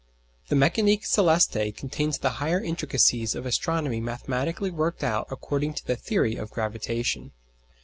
The Mécanique Céleste contains the higher intricacies of astronomy mathematically worked out according to the theory of gravitation.